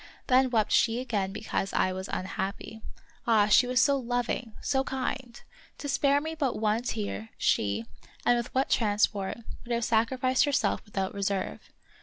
Then wept she again because I was unhappy. Ah, she was so loving, so kind! To spare me but one tear, she, and with what transport, would have sacrificed herself without reserve.